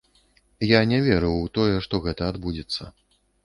Я не верыў у тое, што гэта адбудзецца.